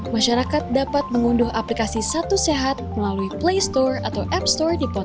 masyarakat dapat mengunduh aplikasi satu sehat melalui play store atau app store di pon